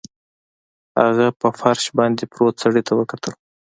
هغه په فرش باندې پروت سړي ته وکتل